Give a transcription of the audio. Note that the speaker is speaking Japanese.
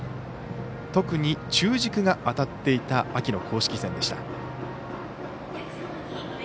特に中軸が当たっていた秋の公式戦でした。